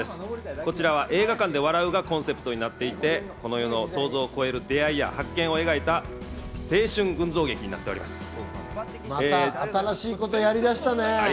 こちらは映画館で笑うがコンセプトになっていて、この世の想像を超える出会いや発見を描いた青春群像劇になっておまた新しいことやりだしたね。